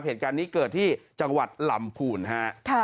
เหตุการณ์นี้เกิดที่จังหวัดลำพูนฮะ